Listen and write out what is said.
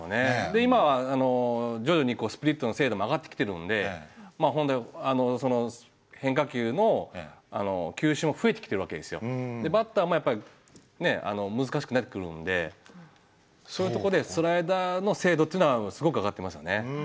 で今は徐々にスプリットの精度も上がってきてるんでその変化球の球種も増えてきてるわけですよ。でバッターもやっぱり難しくなってくるんでそういうとこでスライダーの精度っていうのはすごく上がってますよね。